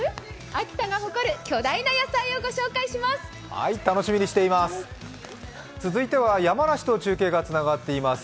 秋田が誇る巨大な野菜を御紹介します。